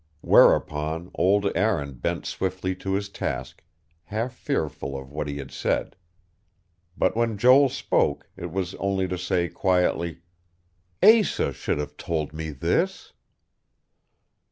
Whereupon old Aaron bent swiftly to his task, half fearful of what he had said. But when Joel spoke, it was only to say quietly: "Asa should have told me this."